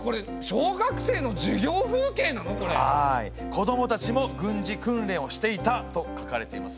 子どもたちも軍事訓練をしていたと書かれていますね。